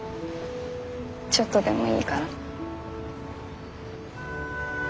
ちょっとでもいいから。